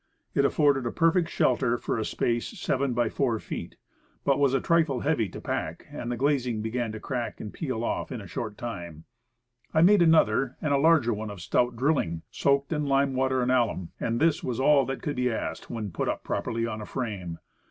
It afforded a perfect shelter for a space 7x4 feet, but was a trifle heavy to pack, and the glazing began to crack and peel off in a short time. I made another and larger one of stout drilling, soaked in lime water and alum; and this was all that could be asked when put up 35 Woodcraft properly on a frame.